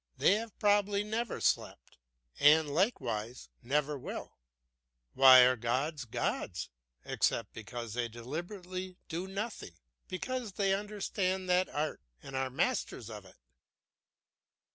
They have probably never slept, and likewise never lived. Why are gods gods, except because they deliberately do nothing; because they understand that art and are masters of it?